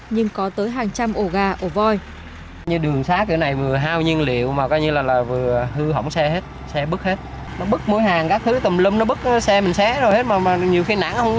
nhưng có tới hàng trăm ổ gà ổ voi